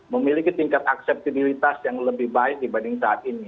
memiliki tingkat akseptabilitas yang lebih baik dibanding saat ini